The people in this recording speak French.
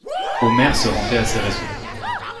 Omer se rendait à ces raisons.